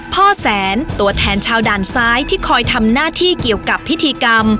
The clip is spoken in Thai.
พ่อแสนตัวแทนชาวด่านซ้ายที่คอยทำหน้าที่เกี่ยวกับพิธีกรรม